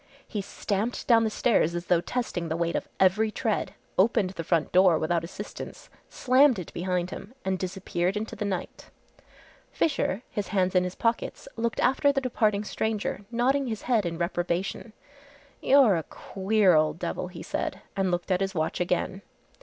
He stamped down the stairs as though testing the weight of every tread, opened the front door without assistance, slammed it behind him and disappeared into the night. Fisher, his hands in his pockets, looked after the departing stranger, nodding his head in reprobation. "You're a queer old devil," he said, and looked at his watch again.